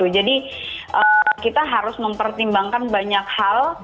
jadi kita harus mempertimbangkan banyak hal